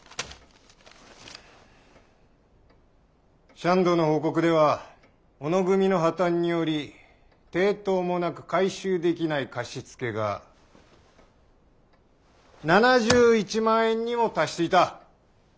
シャンドの報告では小野組の破綻により抵当もなく回収できない貸し付けが７１万円にも達していた。